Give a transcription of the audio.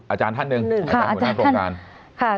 อาจารย์รับผิดชอบด้วยค่ะ